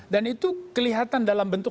dan itu kelihatan dalam bentuk